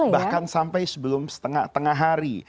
bahkan sampai sebelum setengah tengah hari